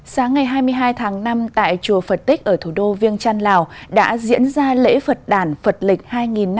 sáng ngày hai mươi hai tháng năm tại chùa phật tích ở thủ đô viêng trăn lào đã diễn ra lễ phật đản phật lịch hai nghìn năm trăm sáu mươi tám dương lịch hai nghìn hai mươi bốn